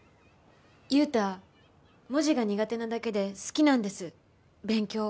優太文字が苦手なだけで好きなんです勉強。